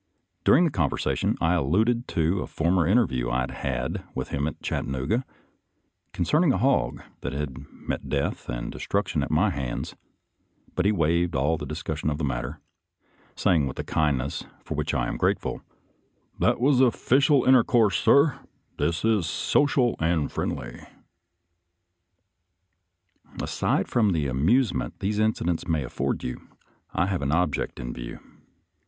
During the conversation I alluded to a former interview I had had with him at Chattanooga concerning a hog that had met death and de struction at my hands, but he waived all discus sion of the subject, saying with a kindness for which I am now grateful, " That was official in tercourse, sir — this is social and friendly." Aside from the amusement these incidents may afford you, I have an object in view.